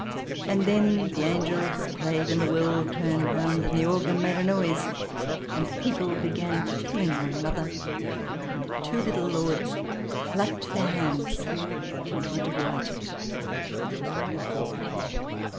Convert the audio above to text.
And then the angels played and the world turned round and the organ made a noise and the people began killing one another and the two little Lords clapped their hands and were delighted.